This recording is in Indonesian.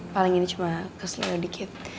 paling ini cuma kesenian dikit